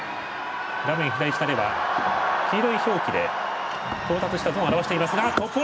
画面左下では黄色い表記で到達したゾーンを表していますが。